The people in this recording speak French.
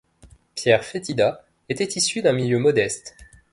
Pierre Fédida était issu d'un milieu modeste.